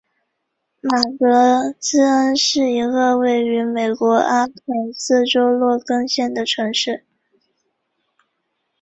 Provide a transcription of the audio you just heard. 马格兹恩是一个位于美国阿肯色州洛根县的城市。